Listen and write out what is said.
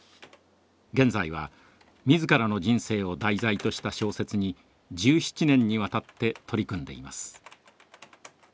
現在は自らの人生を題材とした小説に１７年にわたって取り組んでいます。